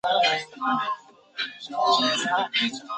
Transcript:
妳赶快回来